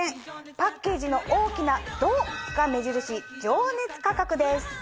パッケージの大きな「ド」が目印「情熱価格」です。